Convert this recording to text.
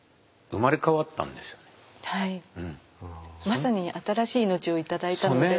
まさに新しい命を頂いたので。